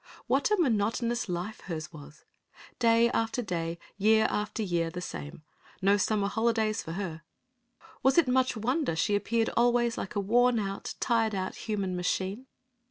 What a monotonous life hers was! Day after day, year after year the same! No summer holidays for her! Was it much wonder she appeared always like a worn out, tired out human machine?